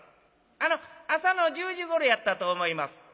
「あの朝の１０時ごろやったと思います」。